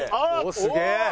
すげえ。